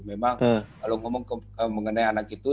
memang kalau ngomong mengenai anak itu